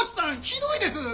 ひどいです。